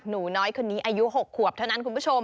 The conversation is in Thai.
หนูน้อยคนนี้อายุ๖ขวบเท่านั้นคุณผู้ชม